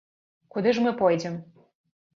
Куды ж мы пойдзем?